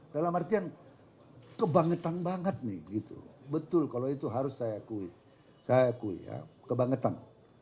dalam artian kebangetan banget nih gitu betul kalau itu harus saya akui saya akui ya kebangetan